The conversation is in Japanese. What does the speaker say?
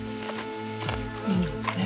うん。ねえ。